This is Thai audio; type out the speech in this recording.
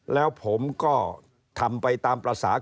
แล้วผมก็ทำไปตามปรศาสตร์